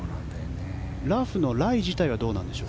ラフのライ自体はどうなんでしょう。